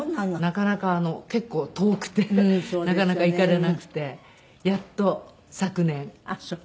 なかなか結構遠くてなかなか行かれなくてやっと昨年実現しました。